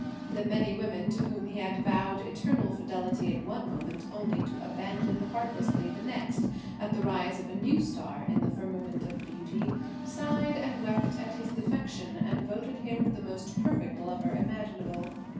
The many women to whom he had vowed eternal fidelity at one moment, only to abandon heartlessly the next at the rise of a new star in the firmament of beauty, sighed and wept at his defection and voted him the most perfect lover imaginable.